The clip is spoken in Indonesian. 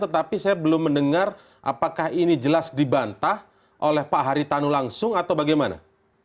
tetapi saya belum mendengar apakah ini jelas dibantah oleh pak haritanu langsung atau bagaimana